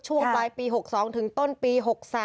ช่วงปลายปี๖๒ถึงต้นปี๖๓